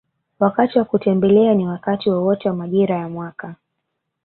Wakati wa kutembelea ni wakati wowote wa majira ya mwaka